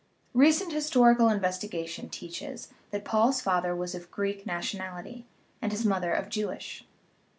Re cent historical investigation teaches that Paul's father was of Greek nationality, and his mother of Jewish.